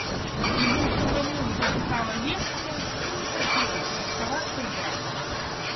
Ему самому вдруг стало весело и не хотелось расставаться с братом.